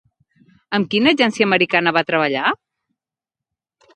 Amb quina agència americana va treballar?